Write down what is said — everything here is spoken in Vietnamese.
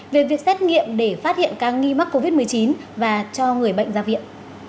về việc xét nghiệm để phát hiện ca nghi mắc covid một mươi chín và cho người bệnh ra viện